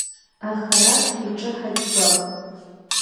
Аха раԥхьа иҿы ҳаџьгәап!